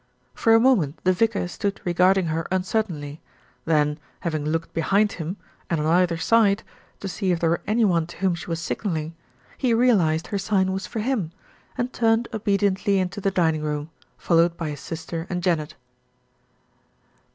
For a moment the vicar stood regarding her un certainly, then, having looked behind him, and on either side to see if there were any one to whom she was signalling, he realised her sign was for him, and turned obediently into the dining room, followed by his sister and Janet.